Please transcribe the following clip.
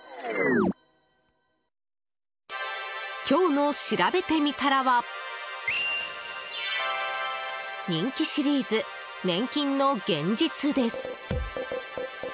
今日のしらべてみたらは人気シリーズ、年金の現実です。